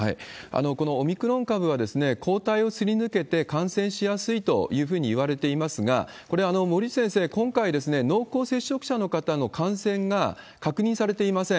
このオミクロン株は、抗体をすり抜けて感染しやすいというふうにいわれていますが、これ、森内先生、今回、濃厚接触者の方の感染が確認されていません。